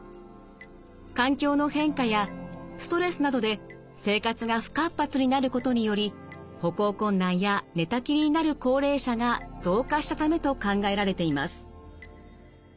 環境の変化やストレスなどで生活が不活発になることにより歩行困難や寝たきりになる高齢者が増加したためと考えられています。